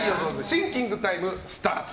シンキングタイムスタート。